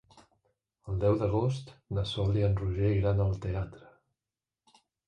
El deu d'agost na Sol i en Roger iran al teatre.